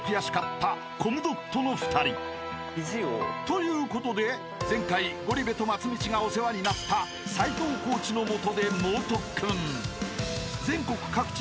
［ということで前回ゴリ部と松道がお世話になった齊藤コーチのもとで猛特訓］